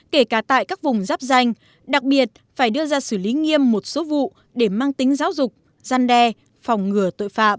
kể cả tại các vùng rắp ranh đặc biệt phải đưa ra xử lý nghiêm một số vụ để mang tính giáo dục giăn đe phòng ngừa tội phạm